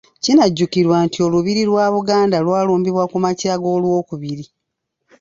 Kinajjukirwa nti Olubiri lwa Buganda lwalumbibwa ku makya g’Olwokubiri.